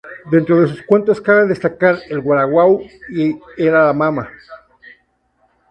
De entre sus cuentos cabe destacar: "El guaraguao" y "Era la mama".